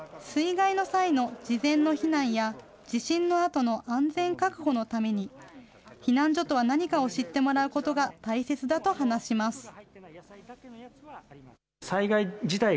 水害の際の事前の避難や、地震のあとの安全確保のために、避難所とは何かを知ってもらうことが大切だと話します。